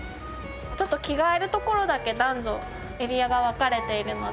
ちょっと着替える所だけ男女エリアが分かれているので。